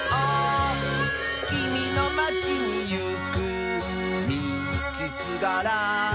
「きみのまちにいくみちすがら」